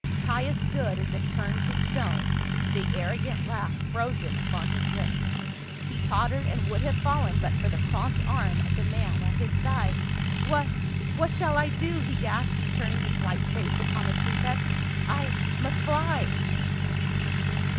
Caius stood as if turned to stone, the arrogant laugh frozen upon his lips. He tottered and would have fallen but for the prompt arm of the man at his side. "What — what shall I do?" he gasped, turning his white face upon the prefect. " I — must fly